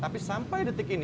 tapi sampai detik ini